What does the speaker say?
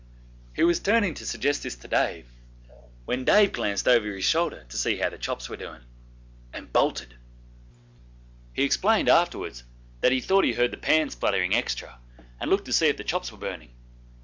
He was turning to suggest this to Dave, when Dave glanced over his shoulder to see how the chops were doing and bolted. He explained afterwards that he thought he heard the pan spluttering extra, and looked to see if the chops were burning.